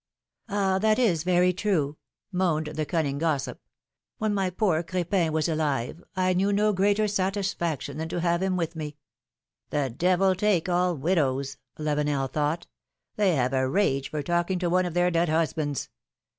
^^Ah ! that is very true," moaned the cunning gossip* ^^When my poor Cr6pin was alive, I knew no greater satisfaction than to have him with me." ^^The devil take all widows !" Lavenel thought; 'Mhey have a rage for talking to one of their dead husbands!"